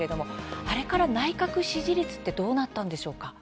あれから内閣支持率はどうなったんでしょうか？